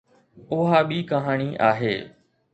اها ٻي ڪهاڻي آهي.